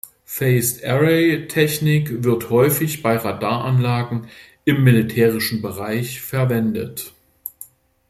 Phased-Array-Technik wird häufig bei Radaranlagen im militärischen Bereich verwendet.